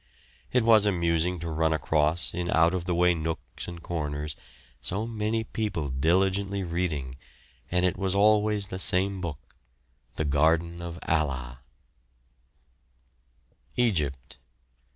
It was amusing to run across in out of the way nooks and corners so many people diligently reading, and it was always the same book, the Garden of Allah. EGYPT.